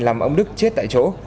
làm ông đức chết tại chỗ